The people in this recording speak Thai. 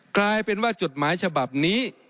กลายเป็นว่าจดหมายฉบับนี้